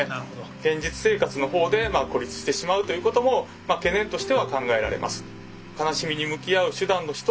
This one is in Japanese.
現実生活の方で孤立してしまうということも懸念としては考えられます。